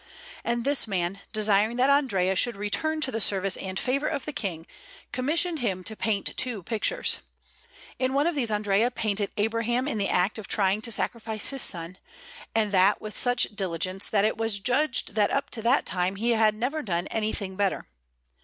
And this man, desiring that Andrea should return to the service and favour of the King, commissioned him to paint two pictures. In one of these Andrea painted Abraham in the act of trying to sacrifice his son; and that with such diligence, that it was judged that up to that time he had never done anything better.